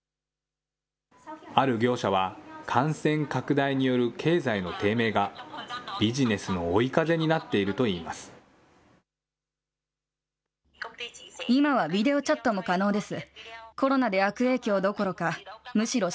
ある業者は、感染拡大による経済の低迷が、ビジネスの追い風になっているといいます。